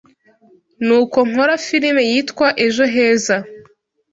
nuko nkora firime yitwa “Ejo Heza